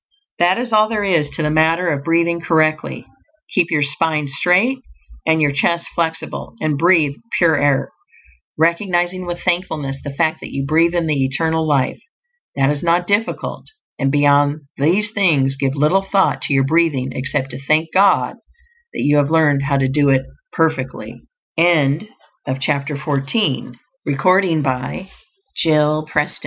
That is all there is to the matter of breathing correctly. Keep your spine straight and your chest flexible, and breathe pure air, recognizing with thankfulness the fact that you breathe in the Eternal Life. That is not difficult; and beyond these things give little thought to your breathing except to thank God that you have learned how to do it perfectly. CHAPTER XV. SLEEP. Vital power is renewed in